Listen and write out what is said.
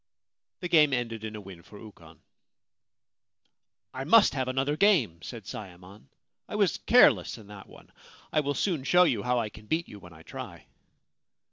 The game ended in a win for Ukon. ' I must have another game/ said Sayemon. ' I was careless in that one. I will soon show you how I can beat you when I try.'